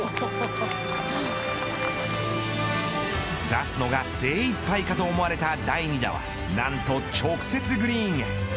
出すのが精いっぱいかと思われた第２打はなんと直接グリーンへ。